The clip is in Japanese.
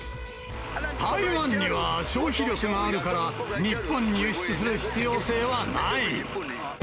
台湾には消費力があるから、日本に輸出する必要性はない。